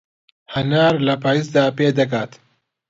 هەنار لە پایزدا پێدەگات